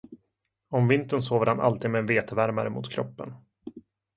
Om vintern sover han alltid med en vetevärmare mot kroppen.